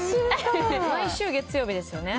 毎週月曜日ですよね。